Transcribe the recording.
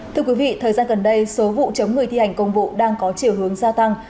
thưa quý vị thời gian gần đây số vụ chống người thi hành công vụ đang có chiều hướng gia tăng